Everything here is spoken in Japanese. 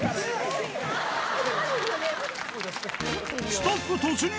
スタッフ突入。